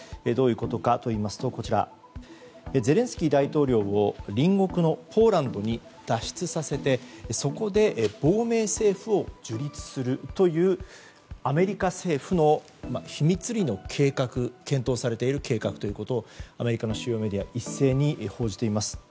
どういうことかといいますとゼレンスキー大統領を隣国のポーランドに脱出させてそこで亡命政府を樹立するというアメリカ政府の秘密裏の検討されている計画ということをアメリカの主要メディアが一斉に報じています。